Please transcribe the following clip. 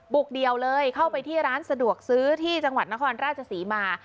เดียวเลยเข้าไปที่ร้านสะดวกซื้อที่จังหวัดนครราชศรีมา